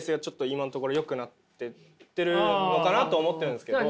今のところよくなってってるのかなと思ってるんですけど。